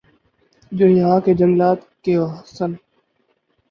جو یہاں کے جنگلات کےحسن